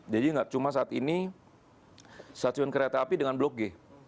jadi nggak cuma saat ini stasiun kereta api dengan blok g